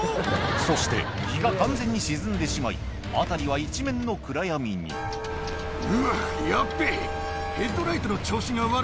そして日が完全に沈んでしまい辺りは一面の暗闇にうわヤッベェ。